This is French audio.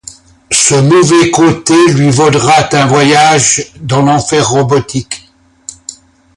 Ce mauvais côté lui vaudra un voyage dans l'enfer robotique.